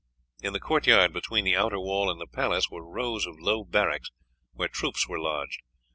In the court yard between the outer wall and the palace were rows of low barracks, where troops were lodged.